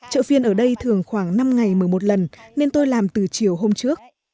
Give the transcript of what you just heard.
chợ phiên ở đây thường khoảng năm ngày một mươi một lần nên tôi làm từ chiều hôm trước